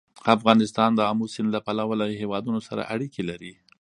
افغانستان د آمو سیند له پلوه له هېوادونو سره اړیکې لري.